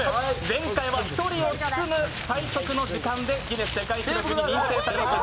前回は１人を包む最速の時間でギネス世界記録に認定されました。